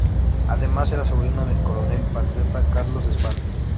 Además era sobrino del coronel patriota Carlos Spano.